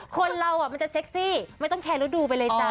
คนเรามันจะเซ็กซี่ไม่ต้องแคร์ฤดูไปเลยจ้